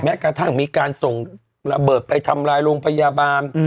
กระทั่งมีการส่งระเบิดไปทำลายโรงพยาบาล